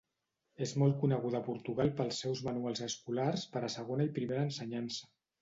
És molt coneguda a Portugal pels seus manuals escolars per a segona i primera ensenyança.